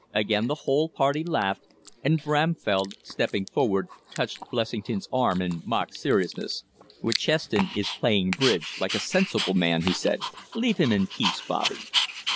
Again the whole party laughed, and Bramfell, stepping forward, touched Blessington's arm in mock seriousness. "Witcheston is playing bridge, like a sensible man," he said. "Leave him in peace, Bobby."